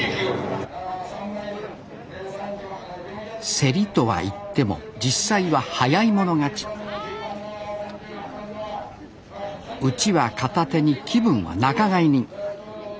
競りとは言っても実際は早い者勝ちうちわ片手に気分は仲買人。